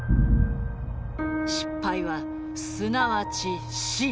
失敗はすなわち死。